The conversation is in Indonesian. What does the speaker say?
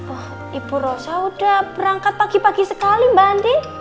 oh ibu rosa udah berangkat pagi pagi sekali mbak andi